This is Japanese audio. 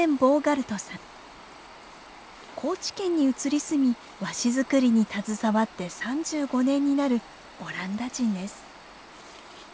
高知県に移り住み和紙作りに携わって３５年になるオランダ人です。